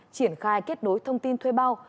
triển khai kết nối thông tin thuê bao